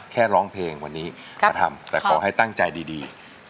แค่ร้องเพลงวันนี้มาทำแต่ขอให้ตั้งใจดี